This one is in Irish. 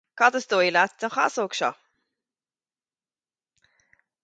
Cad is dóigh leat den chasóg seo?